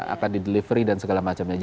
akan di delivery dan segala macamnya